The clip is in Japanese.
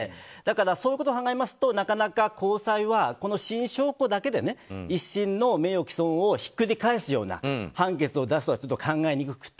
そういうことを考えますとなかなか、高裁はこの新証拠だけで１審の名誉毀損ひっくり返すような判決を出すとは考えにくくて。